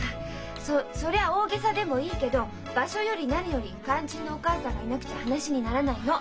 そそりゃ大げさでもいいけど場所より何より肝心のお母さんがいなくちゃ話にならないの。